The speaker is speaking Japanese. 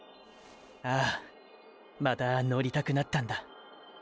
ああまた乗りたくなったんだ。